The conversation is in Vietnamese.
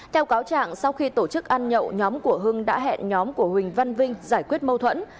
theo cáo trạng sau khi tổ chức ăn nhậu nhóm của hưng đã hẹn nhóm của huỳnh văn vinh giải quyết mâu thuẫn